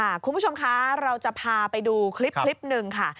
คุณผู้ชมคะเราจะพาไปดูคลิปคลิปหนึ่งค่ะ